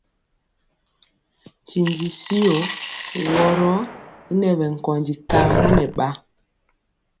Ntindi tyio woro y ŋɛ bɛ nkóndi kamɔ nɛ ba.